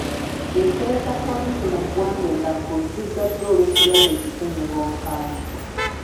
Ekitebe kya poliisi mu ggwanga e Naguru kiggaddwa olw’ekirwadde ki ssennyiga omukambwe.